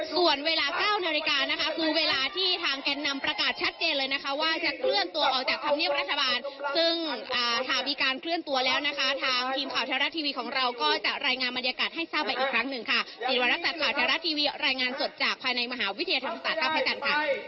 ส่วนเวลาเก้านาฬิกานะคะคือเวลาที่ทางแก่นนำประกาศชัดเจนเลยนะคะว่าจะเคลื่อนตัวออกจากธรรมเนียบรัฐบาลซึ่งหากมีการเคลื่อนตัวแล้วนะคะทางทีมข่าวแท้รัฐทีวีของเราก็จะรายงานบรรยากาศให้ทราบไปอีกครั้งหนึ่งค่ะพระจันทร์ค่ะ